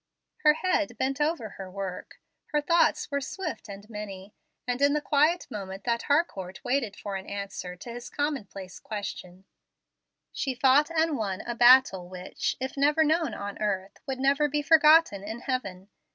Her head bent over her work; her thoughts were swift and many, and in the quiet moment that Harcourt waited for an answer to his commonplace question, she fought and iron a battle which, if never known on earth, would never be forgotten in heaven.